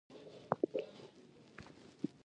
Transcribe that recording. هغه کولای شي زیات اومه توکي وپېري